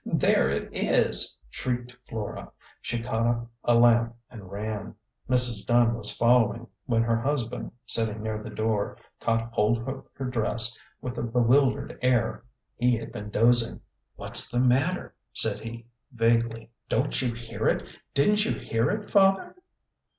" There it is !" shrieked Flora. She caught up a lamp and ran. Mrs. Dunn was following, when her hus band, sitting near the door, caught hold of her dress with a bewildered air ; he had been dozing. "What's the matter?" said he, vaguely. " Don't you hear it ? Didn't you hear it, father